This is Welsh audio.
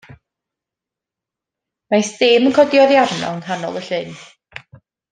Roedd stêm yn codi oddi arno, yng nghanol y llyn.